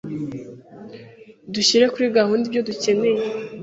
dushyire kuri gahunda ibyo dukeneye